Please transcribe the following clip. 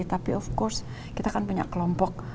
tapi of course kita kan punya kelompok